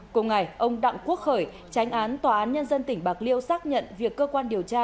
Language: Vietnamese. cùng ngày ông đặng quốc khởi tránh án tòa án nhân dân tỉnh bạc liêu xác nhận việc cơ quan điều tra